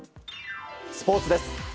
スポーツです。